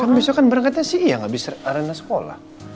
kan besok kan berangkatnya si iang abis arena sekolah